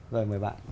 rồi mời bạn